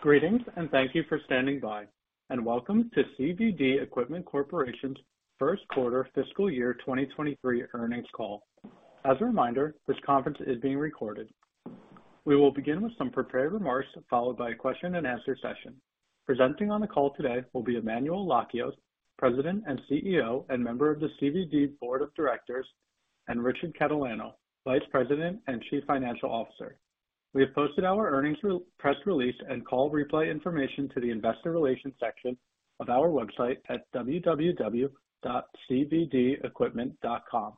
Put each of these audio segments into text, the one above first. Greetings. Thank you for standing by, and welcome to CVD Equipment Corporation's first quarter fiscal year 2023 earnings call. As a reminder, this conference is being recorded. We will begin with some prepared remarks, followed by a question-and-answer session. Presenting on the call today will be Emmanuel Lakios, President and Chief Executive Officer, and Member of the CVD Board of Directors, and Richard Catalano, Vice President and Chief Financial Officer. We have posted our earnings press release and call replay information to the investor relations section of our website at www.cvdequipment.com.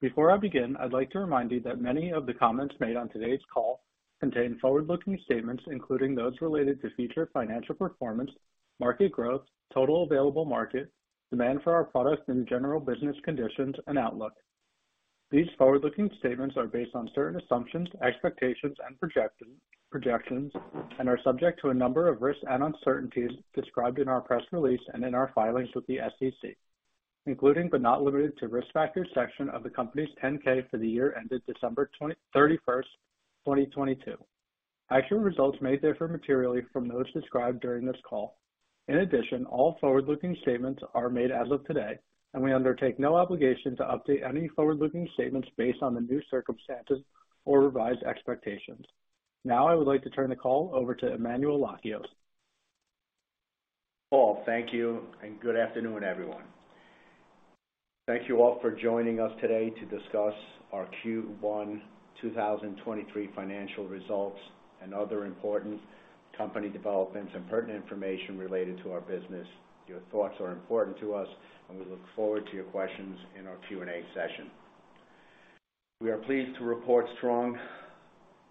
Before I begin, I'd like to remind you that many of the comments made on today's call contain forward-looking statements, including those related to future financial performance, market growth, total available market, demand for our products, and general business conditions and outlook. These forward-looking statements are based on certain assumptions, expectations, and projections, and are subject to a number of risks and uncertainties described in our press release and in our filings with the SEC, including, but not limited to, risk factors section of the company's Form 10-K for the year ended December 31, 2022. Actual results may differ materially from those described during this call. In addition, all forward-looking statements are made as of today, and we undertake no obligation to update any forward-looking statements based on the new circumstances or revised expectations. Now I would like to turn the call over to Emmanuel Lakios. Paul, thank you. Good afternoon, everyone. Thank you all for joining us today to discuss our Q1 2023 financial results and other important company developments and pertinent information related to our business. Your thoughts are important to us. We look forward to your questions in our Q&A session. We are pleased to report strong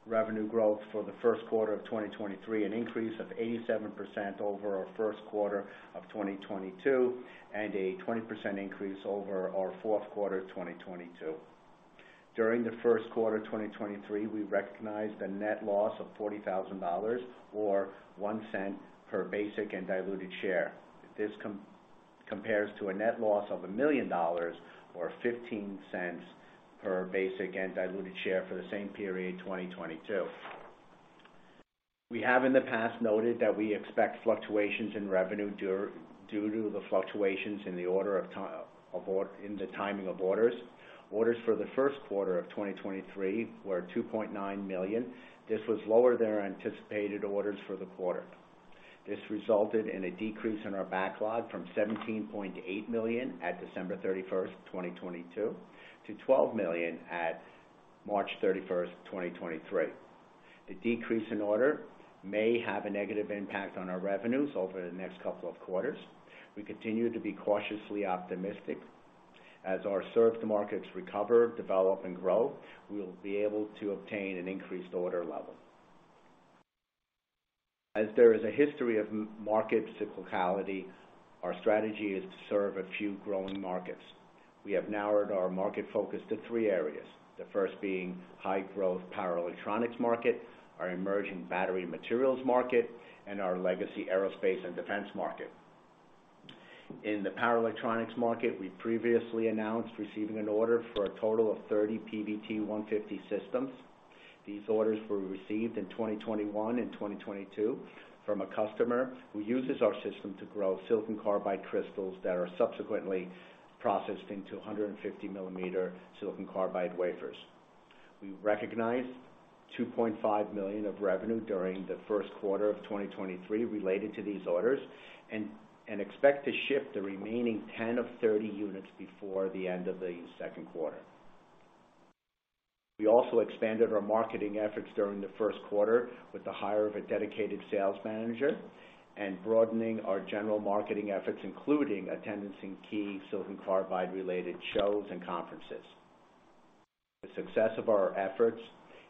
revenue growth for the first quarter of 2023, an increase of 87% over our first quarter of 2022, a 20% increase over our fourth quarter 2022. During the first quarter of 2023, we recognized a net loss of $40,000, or $0.01 per basic and diluted share. This compares to a net loss of $1 million or $0.15 per basic and diluted share for the same period in 2022. We have in the past noted that we expect fluctuations in revenue due to the fluctuations in the timing of orders. Orders for the first quarter of 2023 were $2.9 million. This was lower than our anticipated orders for the quarter. This resulted in a decrease in our backlog from $17.8 million at December 31st, 2022, to $12 million at March 31st, 2023. The decrease in order may have a negative impact on our revenues over the next couple of quarters. We continue to be cautiously optimistic. As our served markets recover, develop and grow, we will be able to obtain an increased order level. As there is a history of market cyclicality, our strategy is to serve a few growing markets. We have narrowed our market focus to three areas. The first being high growth power electronics market, our emerging battery materials market, and our legacy aerospace and defense market. In the power electronics market, we previously announced receiving an order for a total of 30 PVT-150 systems. These orders were received in 2021 and 2022 from a customer who uses our system to grow silicon carbide crystals that are subsequently processed into 150 millimeter silicon carbide wafers. We recognized $2.5 million of revenue during the first quarter of 2023 related to these orders, and expect to ship the remaining 10 of 30 units before the end of the second quarter. We also expanded our marketing efforts during the first quarter with the hire of a dedicated sales manager and broadening our general marketing efforts, including attendance in key silicon carbide-related shows and conferences. The success of our efforts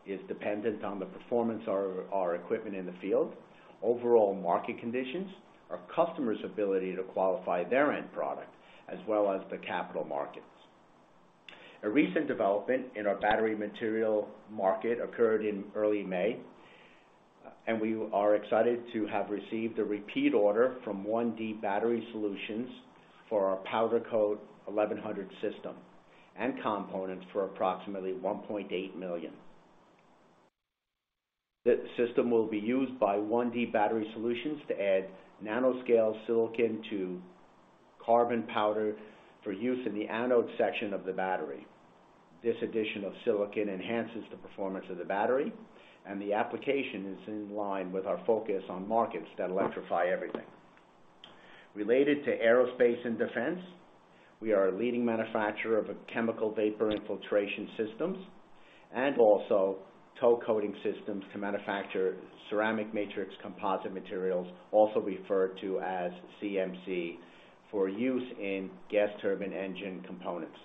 is dependent on the performance of our equipment in the field, overall market conditions, our customers' ability to qualify their end product, as well as the capital markets. A recent development in our battery material market occurred in early May. We are excited to have received a repeat order from OneD Battery Sciences for our PowderCoat-1100 system and components for approximately $1.8 million. The system will be used by OneD Battery Sciences to add nanoscale silicon to carbon powder for use in the anode section of the battery. This addition of silicon enhances the performance of the battery, and the application is in line with our focus on markets that electrify everything. Related to aerospace and defense, we are a leading manufacturer of chemical vapor infiltration systems and also tow coating systems to manufacture Ceramic Matrix Composite materials, also referred to as CMC, for use in gas turbine engine components.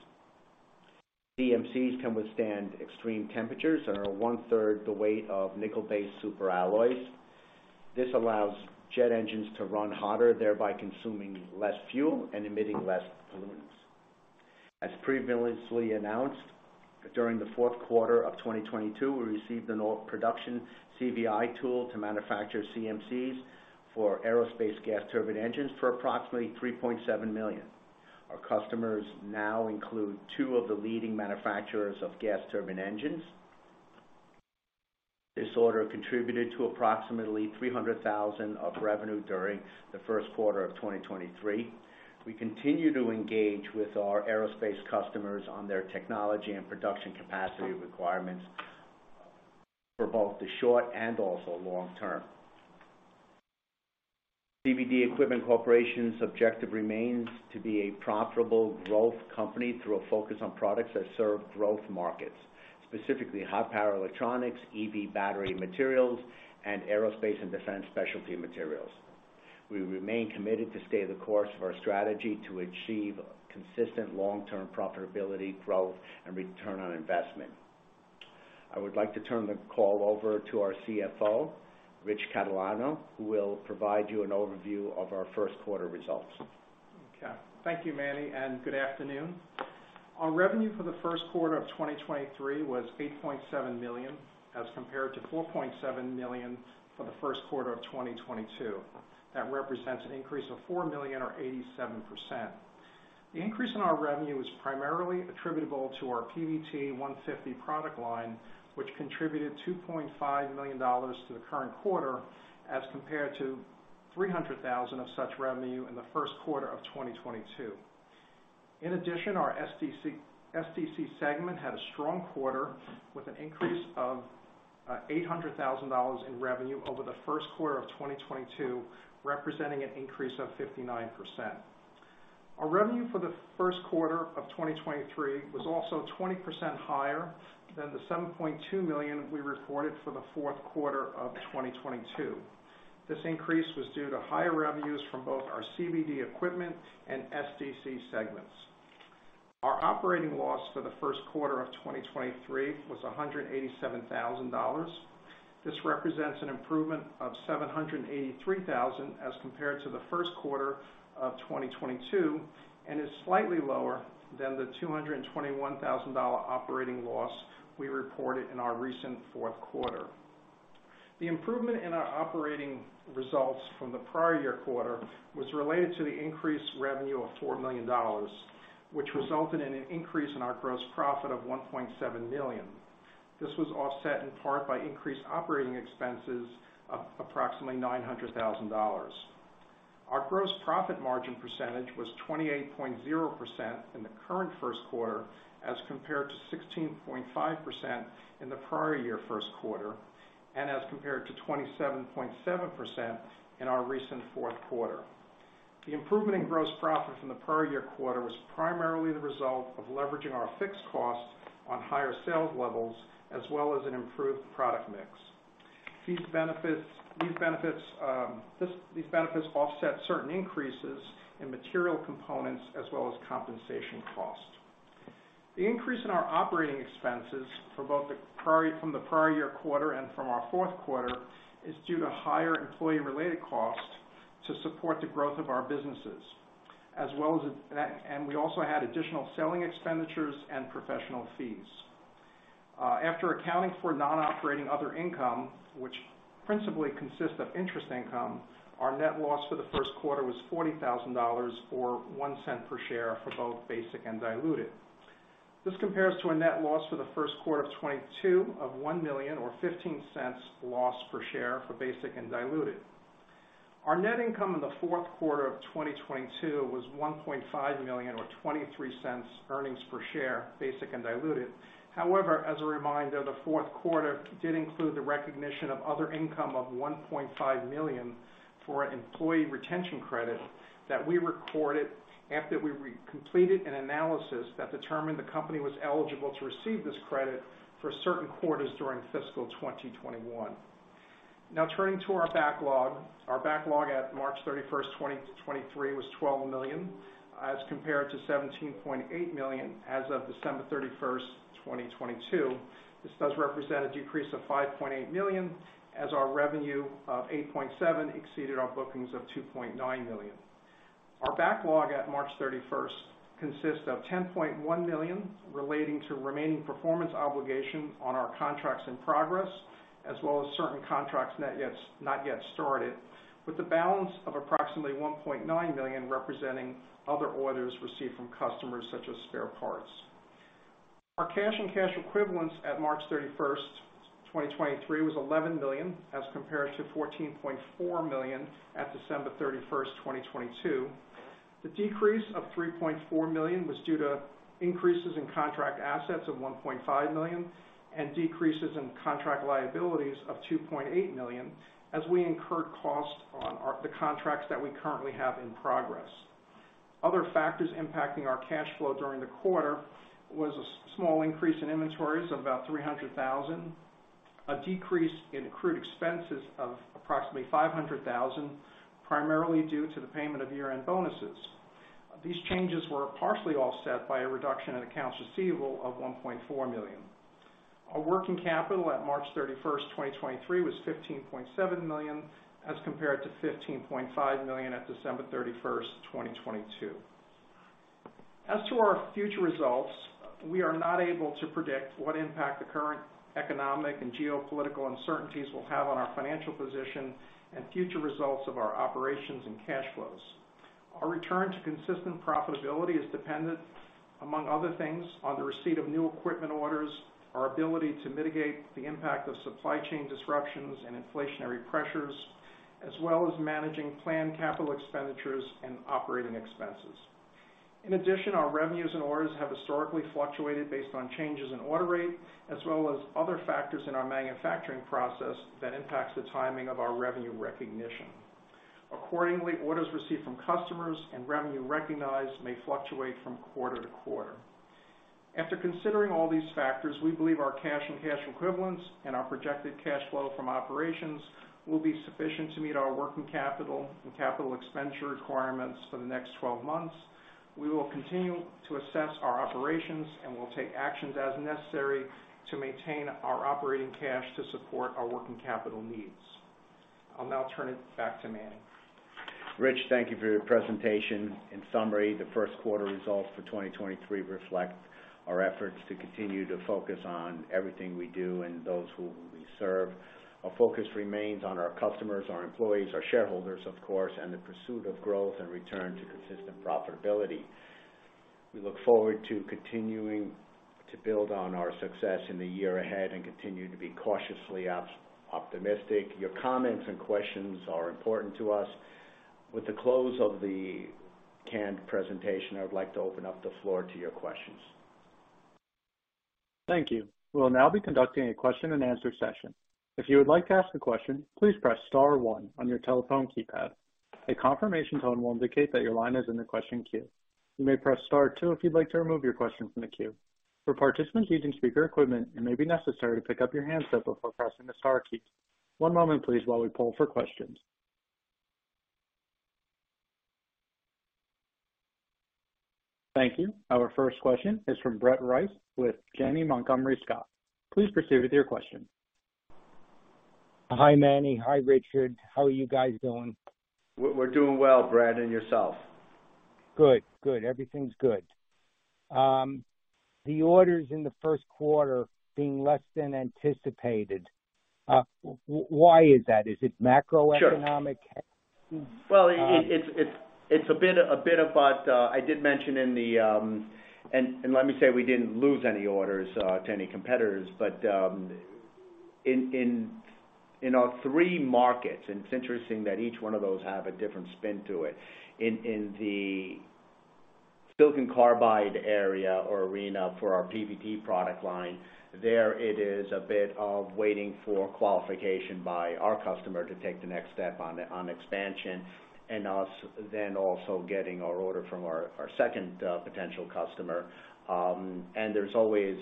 CMCs can withstand extreme temperatures and are one-third the weight of nickel-based superalloys. This allows jet engines to run hotter, thereby consuming less fuel and emitting less pollutants. As previously announced, during the fourth quarter of 2022, we received an all production CVI tool to manufacture CMCs for aerospace gas turbine engines for approximately $3.7 million. Our customers now include two of the leading manufacturers of gas turbine engines. This order contributed to approximately $300,000 of revenue during the first quarter of 2023. We continue to engage with our aerospace customers on their technology and production capacity requirements for both the short and also long term. CVD Equipment Corporation's objective remains to be a profitable growth company through a focus on products that serve growth markets, specifically high power electronics, EV battery materials, and aerospace and defense specialty materials. We remain committed to stay the course of our strategy to achieve consistent long-term profitability, growth, and return on investment. I would like to turn the call over to our CFO, Rich Catalano, who will provide you an overview of our first quarter results. Okay. Thank you, Manny. Good afternoon. Our revenue for the first quarter of 2023 was $8.7 million as compared to $4.7 million for the first quarter of 2022. That represents an increase of $4 million or 87%. The increase in our revenue was primarily attributable to our PVT150 product line, which contributed $2.5 million to the current quarter as compared to $300,000 of such revenue in the first quarter of 2022. Our SDC segment had a strong quarter with an increase of $800,000 in revenue over the first quarter of 2022, representing an increase of 59%. Our revenue for the first quarter of 2023 was also 20% higher than the $7.2 million we reported for the fourth quarter of 2022. This increase was due to higher revenues from both our CVD Equipment and SDC segments. Our operating loss for the first quarter of 2023 was $187,000. This represents an improvement of $783,000 as compared to the first quarter of 2022, and is slightly lower than the $221,000 operating loss we reported in our recent fourth quarter. The improvement in our operating results from the prior year quarter was related to the increased revenue of $4 million, which resulted in an increase in our gross profit of $1.7 million. This was offset in part by increased operating expenses of approximately $900,000. Our gross profit margin percentage was 28.0% in the current first quarter as compared to 16.5% in the prior year first quarter, and as compared to 27.7% in our recent fourth quarter. The improvement in gross profit from the prior year quarter was primarily the result of leveraging our fixed costs on higher sales levels as well as an improved product mix. These benefits offset certain increases in material components as well as compensation cost. The increase in our operating expenses from the prior year quarter and from our fourth quarter is due to higher employee-related costs to support the growth of our businesses. We also had additional selling expenditures and professional fees. After accounting for non-operating other income, which principally consists of interest income, our net loss for the first quarter was $40,000, or $0.01 per share for both basic and diluted. This compares to a net loss for the first quarter of 2022 of $1 million or $0.15 loss per share for basic and diluted. Our net income in the fourth quarter of 2022 was $1.5 million or $0.23 earnings per share, basic and diluted. As a reminder, the fourth quarter did include the recognition of other income of $1.5 million for Employee Retention Credit that we completed an analysis that determined the company was eligible to receive this credit for certain quarters during fiscal 2021. Turning to our backlog. Our backlog at March 31st, 2023 was $12 million as compared to $17.8 million as of December 31st, 2022. This does represent a decrease of $5.8 million as our revenue of $8.7 million exceeded our bookings of $2.9 million. Our backlog at March 31st consists of $10.1 million relating to remaining performance obligations on our contracts in progress, as well as certain contracts not yet started, with a balance of approximately $1.9 million representing other orders received from customers such as spare parts. Our cash and cash equivalents at March 31st, 2023 was $11 million as compared to $14.4 million at December 31st, 2022. The decrease of $3.4 million was due to increases in contract assets of $1.5 million and decreases in contract liabilities of $2.8 million as we incurred costs on the contracts that we currently have in progress. Other factors impacting our cash flow during the quarter was a small increase in inventories of about $300,000, a decrease in accrued expenses of approximately $500,000, primarily due to the payment of year-end bonuses. These changes were partially offset by a reduction in accounts receivable of $1.4 million. Our working capital at March thirty-first, 2023 was $15.7 million as compared to $15.5 million at December thirty-first, 2022. As to our future results, we are not able to predict what impact the current economic and geopolitical uncertainties will have on our financial position and future results of our operations and cash flows. Our return to consistent profitability is dependent, among other things, on the receipt of new equipment orders, our ability to mitigate the impact of supply chain disruptions and inflationary pressures, as well as managing planned capital expenditures and operating expenses. In addition, our revenues and orders have historically fluctuated based on changes in order rate, as well as other factors in our manufacturing process that impacts the timing of our revenue recognition. Accordingly, orders received from customers and revenue recognized may fluctuate from quarter to quarter. After considering all these factors, we believe our cash and cash equivalents and our projected cash flow from operations will be sufficient to meet our working capital and capital expenditure requirements for the next 12 months. We will continue to assess our operations, and we'll take actions as necessary to maintain our operating cash to support our working capital needs. I'll now turn it back to Manny. Rich, thank you for your presentation. In summary, the first quarter results for 2023 reflect our efforts to continue to focus on everything we do and those who we serve. Our focus remains on our customers, our employees, our shareholders of course, and the pursuit of growth and return to consistent profitability. We look forward to continuing to build on our success in the year ahead and continue to be cautiously optimistic. Your comments and questions are important to us. With the close of the canned presentation, I would like to open up the floor to your questions. Thank you. We'll now be conducting a question-and-answer session. If you would like to ask a question, please press star one on your telephone keypad. A confirmation tone will indicate that your line is in the question queue. You may press star two if you'd like to remove your question from the queue. For participants using speaker equipment, it may be necessary to pick up your handset before pressing the star key. One moment please while we poll for questions. Thank you. Our first question is from Brett Rice with Janney Montgomery Scott. Please proceed with your question. Hi, Manny. Hi, Richard. How are you guys doing? We're doing well, Brett. Yourself? Good. Everything's good. The orders in the first quarter being less than anticipated, why is that? Is it macroeconomic? Sure. Well, it's a bit of both. I did mention in the... Let me say, we didn't lose any orders to any competitors. In our three markets, and it's interesting that each one of those have a different spin to it. In the silicon carbide area or arena for our PVT product line, there it is a bit of waiting for qualification by our customer to take the next step on expansion. Us then also getting our order from our second potential customer. There's always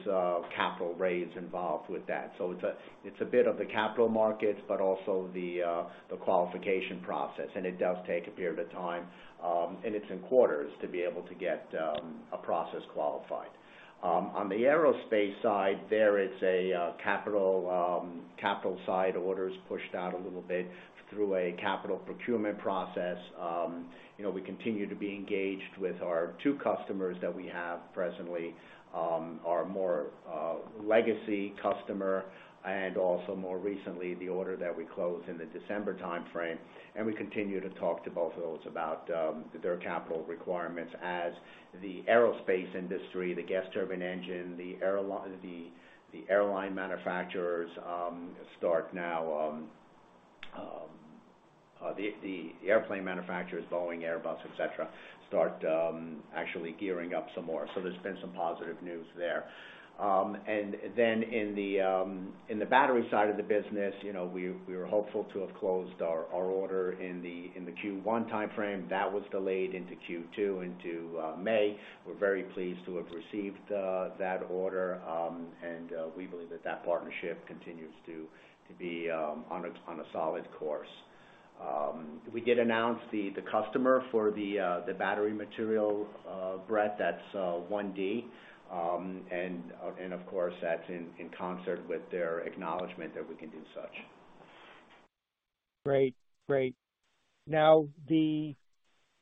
capital raise involved with that. It's a bit of the capital markets, but also the qualification process. It does take a period of time, and it's in quarters to be able to get a process qualified. On the aerospace side, there it's a capital side orders pushed out a little bit through a capital procurement process. You know, we continue to be engaged with our two customers that we have presently, our more legacy customer, and also more recently, the order that we closed in the December timeframe. We continue to talk to both of those about their capital requirements as the aerospace industry, the gas turbine engine, the airline manufacturers, start now. The airplane manufacturers, Boeing, Airbus, et cetera, start actually gearing up some more. There's been some positive news there. And then in the battery side of the business, you know, we were hopeful to have closed our order in the Q1 timeframe. That was delayed into Q2, into May. We're very pleased to have received that order. We believe that that partnership continues to be on a solid course. We did announce the customer for the battery material, Brett, that's OneD. Of course, that's in concert with their acknowledgement that we can do such. Great. Great. Now the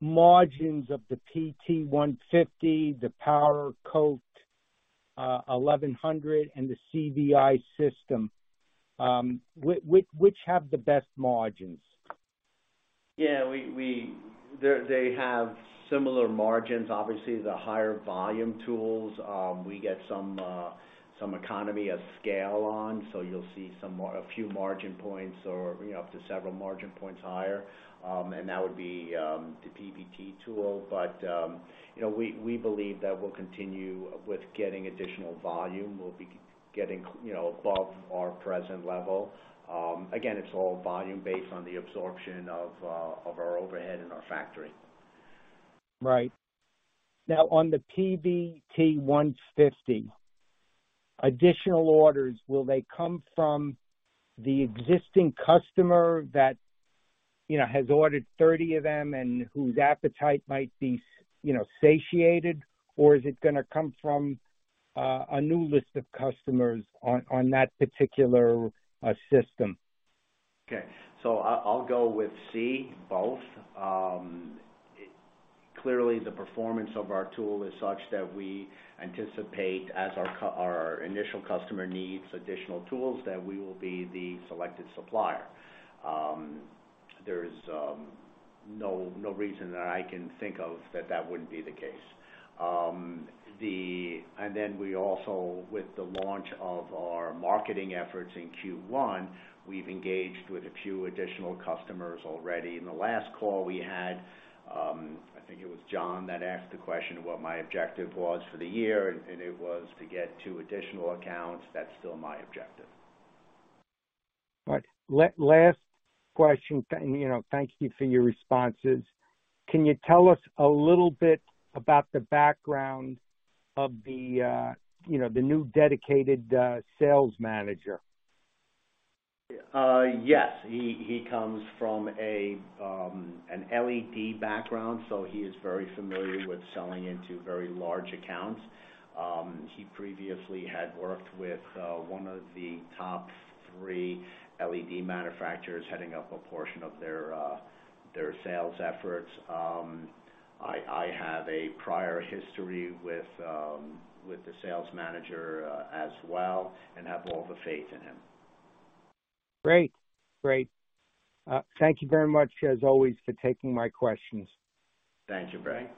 margins of the PVT-150, the PowderCoat-1100 and the CVI system, which have the best margins? Yeah, they have similar margins. Obviously, the higher volume tools, we get some economy of scale on. You'll see a few margin points or, you know, up to several margin points higher. That would be the PVT tool. You know, we believe that we'll continue with getting additional volume. We'll be getting, you know, above our present level. Again, it's all volume based on the absorption of our overhead and our factory. Right. Now on the PVT-150, additional orders, will they come from the existing customer that, you know, has ordered 30 of them and whose appetite might be you know, satiated? Is it gonna come from, a new list of customers on that particular system? Okay. I'll go with C, both. Clearly the performance of our tool is such that we anticipate as our initial customer needs additional tools, that we will be the selected supplier. There's no reason that I can think of that that wouldn't be the case. We also, with the launch of our marketing efforts in Q1, we've engaged with a few additional customers already. In the last call we had, I think it was John that asked the question of what my objective was for the year, and it was to get two additional accounts. That's still my objective. All right. Last question. You know, thank you for your responses. Can you tell us a little bit about the background of the, you know, the new dedicated sales manager? Yes. He comes from an LED background, so he is very familiar with selling into very large accounts. He previously had worked with one of the top three LED manufacturers, heading up a portion of their sales efforts. I have a prior history with the sales manager as well, and have all the faith in him. Great. Thank you very much as always for taking my questions. Thank you, Brett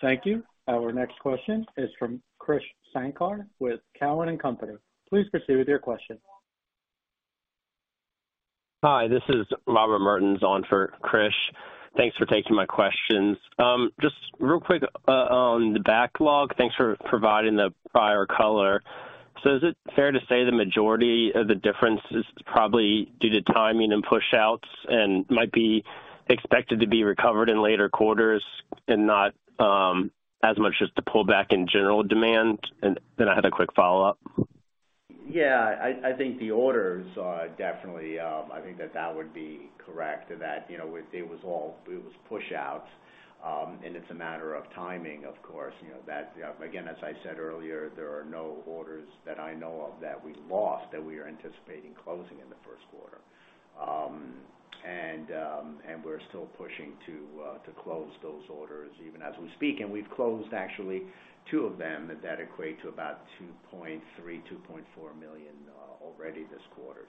Thank you. Our next question is from Krish Sankar TD Cowen. Please proceed with your question. Hi, this is Robert Mertens on for Krish. Thanks for taking my questions. Just real quick, on the backlog, thanks for providing the prior color. Is it fair to say the majority of the difference is probably due to timing and push outs and might be expected to be recovered in later quarters and not as much as to pull back in general demand? I had a quick follow-up. Yeah. I think the orders are definitely, I think that that would be correct. That, you know, it was pushouts, and it's a matter of timing, of course. You know, again, as I said earlier, there are no orders that I know of that we lost that we are anticipating closing in the first quarter. We're still pushing to close those orders even as we speak. We've closed actually two of them that equate to about $2.3 million-$2.4 million already this quarter.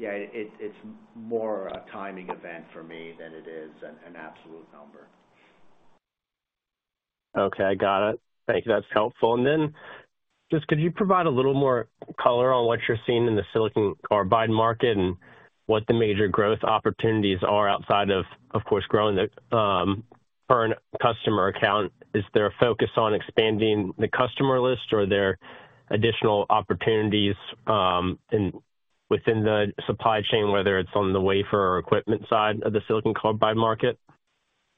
Yeah, it's more a timing event for me than it is an absolute number. Okay. Got it. Thank you. That's helpful. Then just could you provide a little more color on what you're seeing in the silicon carbide market and what the major growth opportunities are outside of course, growing the current customer account? Is there a focus on expanding the customer list or are there additional opportunities within the supply chain, whether it's on the wafer or equipment side of the silicon carbide market?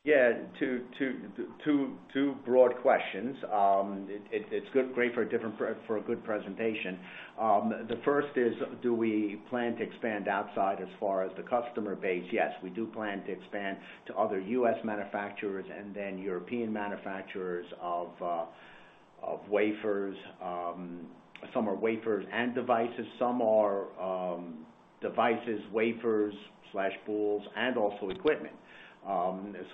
Yeah. Two broad questions. It's good, great for a good presentation. The first is, do we plan to expand outside as far as the customer base? Yes, we do plan to expand to other U.S. manufacturers and then European manufacturers of wafers. Some are wafers and devices, some are devices, wafers/boules and also equipment.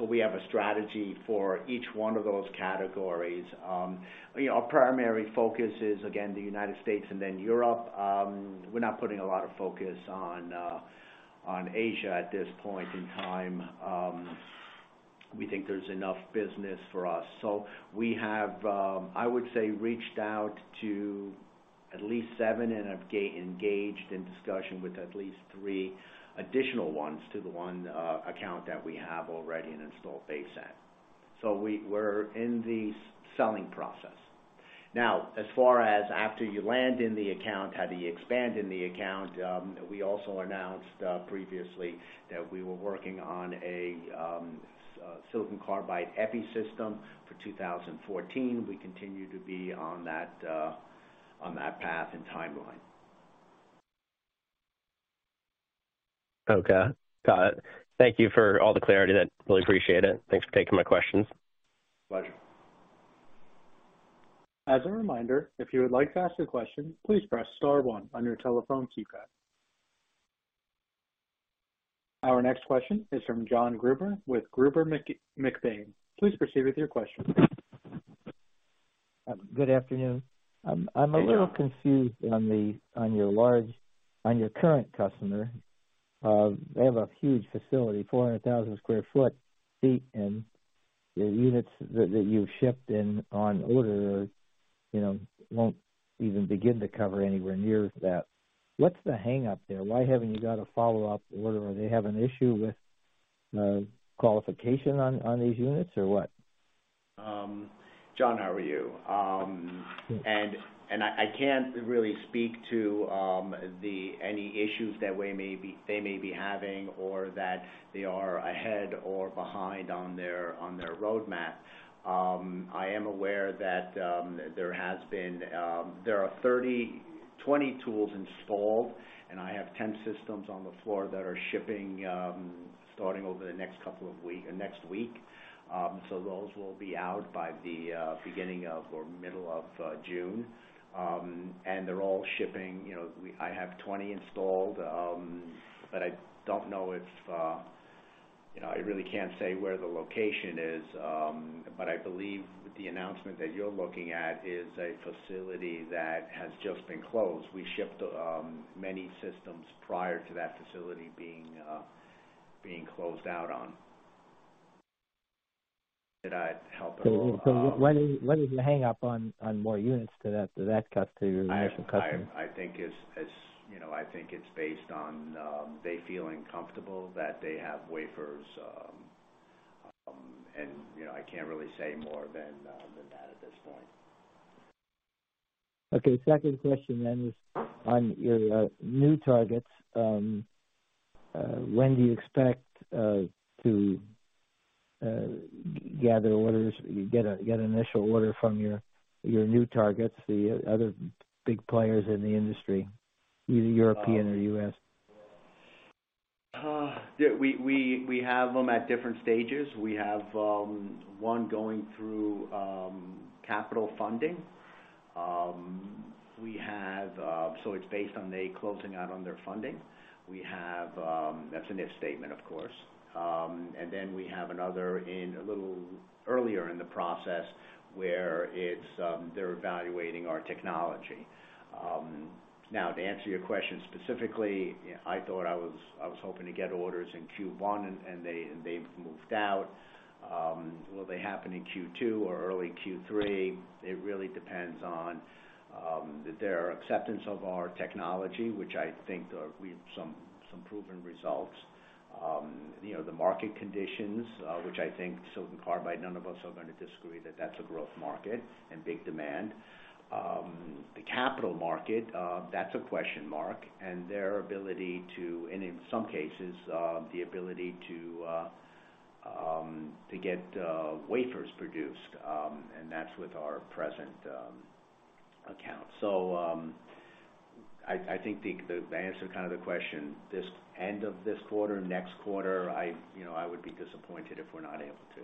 We have a strategy for each one of those categories. You know, our primary focus is again, the United States and then Europe. We're not putting a lot of focus on Asia at this point in time. We think there's enough business for us. We have, I would say, reached out to at least seven and have engaged in discussion with at least three additional ones to the one account that we have already an installed base at. We're in the selling process. Now, as far as after you land in the account, how do you expand in the account? We also announced, previously that we were working on a silicon carbide EPI system for 2014. We continue to be on that, on that path and timeline. Okay. Got it. Thank you for all the clarity. I really appreciate it. Thanks for taking my questions. Pleasure. As a reminder, if you would like to ask a question, please press star one on your telephone keypad. Our next question is from John Gruber with Gruber McBaine. Please proceed with your question. Good afternoon. Hey, John. I'm a little confused on your current customer. They have a huge facility, 400,000 square feet, and the units that you've shipped and on order are, you know, won't even begin to cover anywhere near that. What's the hang up there? Why haven't you got a follow-up order? Do they have an issue with qualification on these units or what? John, how are you? I can't really speak to any issues that they may be having or that they are ahead or behind on their roadmap. I am aware that there has been, there are 30, 20 tools installed. I have 10 systems on the floor that are shipping starting over the next week. Those will be out by the beginning of or middle of June. They're all shipping. You know, I have 20 installed. I don't know if, You know, I really can't say where the location is. I believe the announcement that you're looking at is a facility that has just been closed. We shipped, many systems prior to that facility being closed out on. Did I help at all? When is the hang up on more units to that customer? I think it's, you know, I think it's based on they feeling comfortable that they have wafers. You know, I can't really say more than that at this point. Okay. Second question then is on your new targets. When do you expect to get an initial order from your new targets, the other big players in the industry, either European or U.S.? Yeah. We have them at different stages. We have one going through capital funding. It's based on they closing out on their funding. That's an if statement, of course. We have another in a little earlier in the process, where it's, they're evaluating our technology. Now, to answer your question specifically, I thought I was hoping to get orders in Q1, and they've moved out. Will they happen in Q2 or early Q3? It really depends on their acceptance of our technology, which I think we have some proven results. You know, the market conditions, which I think silicon carbide, none of us are going to disagree that that's a growth market and big demand. The capital market, that's a question mark, and their ability and in some cases, the ability to get wafers produced, and that's with our present account. I think the answer to kind of the question, this end of this quarter, next quarter, I, you know, I would be disappointed if we're not able to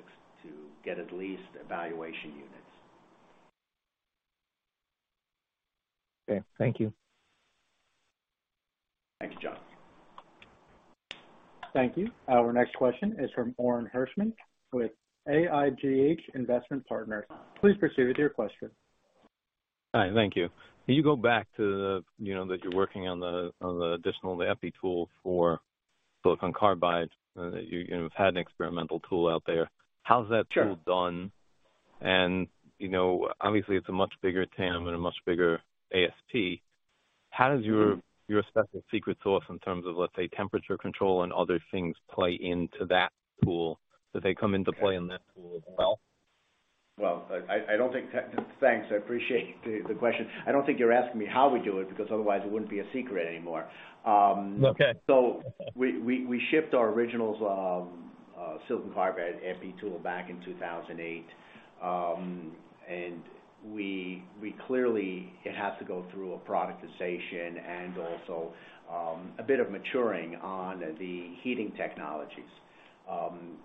get at least evaluation units. Okay. Thank you. Thanks, John. Thank you. Our next question is from Oren Hershman with AIGH Investment Partners. Please proceed with your question. Hi. Thank you. Can you go back to, you know, that you're working on the EPI tool for silicon carbide? You've had an experimental tool out there. Sure. How's that tool done? You know, obviously it's a much bigger TAM and a much bigger ASP. How does your special secret sauce in terms of, let's say, temperature control and other things play into that tool? Do they come into play in that tool as well? Well, I don't think... Thanks. I appreciate the question. I don't think you're asking me how we do it, because otherwise it wouldn't be a secret anymore. Okay. We shipped our originals silicon carbide EPI tool back in 2008. We clearly it has to go through a productization and also a bit of maturing on the heating technologies.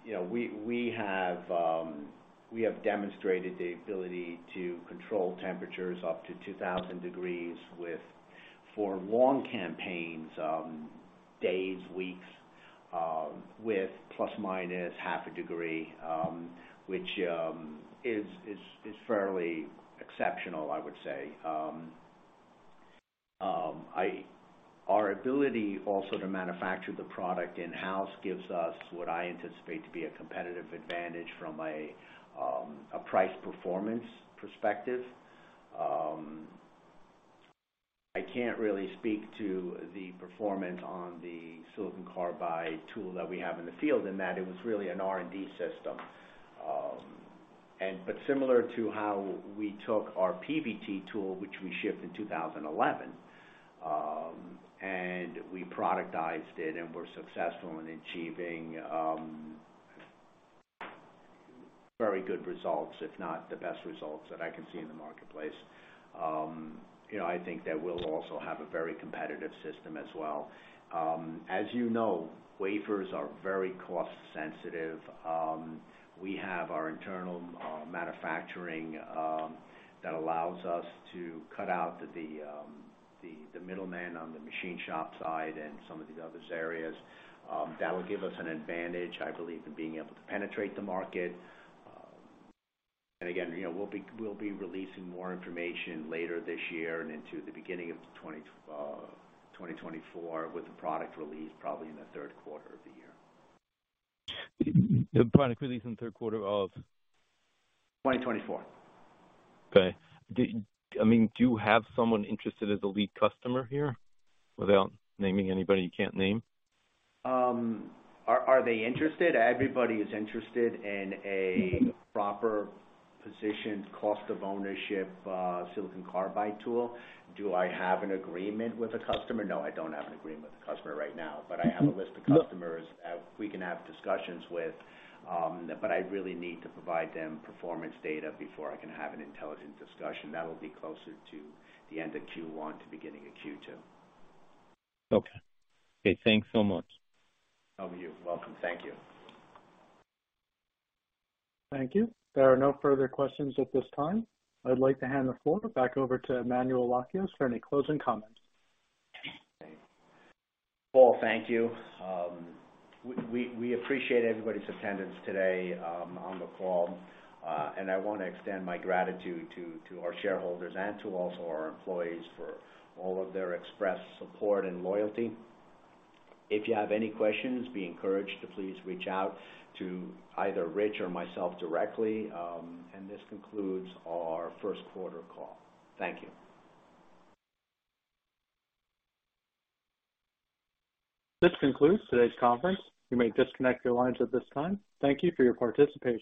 You know, we have demonstrated the ability to control temperatures up to 2,000 degrees for long campaigns, days, weeks, with plus minus half a degree, which is fairly exceptional, I would say. Our ability also to manufacture the product in-house gives us what I anticipate to be a competitive advantage from a price performance perspective. I can't really speak to the performance on the silicon carbide tool that we have in the field, and that it was really an R&D system. Similar to how we took our PVT tool, which we shipped in 2011, and we productized it, and we're successful in achieving very good results, if not the best results that I can see in the marketplace. You know, I think that we'll also have a very competitive system as well. As you know, wafers are very cost sensitive. We have our internal manufacturing that allows us to cut out the middleman on the machine shop side and some of the others areas. That will give us an advantage, I believe, in being able to penetrate the market. Again, you know, we'll be releasing more information later this year and into the beginning of 2024, with the product release probably in the third quarter of the year. The product release in third quarter of? 2024. Okay. I mean, do you have someone interested as a lead customer here without naming anybody you can't name? Are they interested? Everybody is interested in a proper positioned cost of ownership, silicon carbide tool. Do I have an agreement with a customer? No, I don't have an agreement with a customer right now, but I have a list of customers we can have discussions with, but I really need to provide them performance data before I can have an intelligent discussion. That'll be closer to the end of Q1 to beginning of Q2. Okay. Okay, thanks so much. Welcome. Thank you. Thank you. There are no further questions at this time. I'd like to hand the floor back over to Emmanuel Lakios for any closing comments. Paul, thank you. We appreciate everybody's attendance today, on the call. I wanna extend my gratitude to our shareholders and to also our employees for all of their expressed support and loyalty. If you have any questions, be encouraged to please reach out to either Rich or myself directly. This concludes our first quarter call. Thank you. This concludes today's conference. You may disconnect your lines at this time. Thank you for your participation.